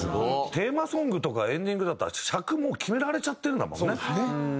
テーマソングとかエンディングだってあれ尺もう決められちゃってるんだもんね！